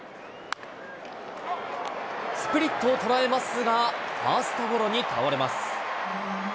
スプリットを捉えますが、ファーストゴロに倒れます。